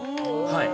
はい。